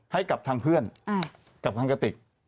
ให้กับทางเพื่อนกับทางกระติก